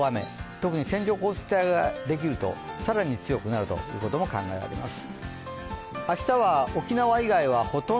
特に線状降水帯ができると更に強くなるということも考えられます。